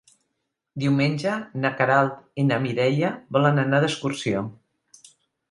Diumenge na Queralt i na Mireia volen anar d'excursió.